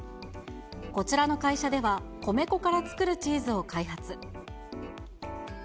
こちらの会社では、米粉から作るチーズを開発。